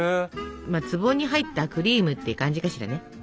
「壺に入ったクリーム」って感じかしらね。